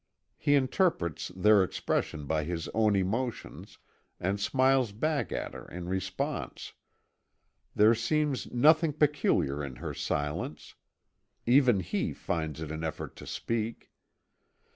He interprets their expression by his own emotions, and smiles back at her in response. There seems nothing peculiar in her silence. Even he finds it an effort to speak.